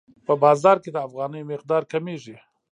په بازار کې د افغانیو مقدار کمیږي.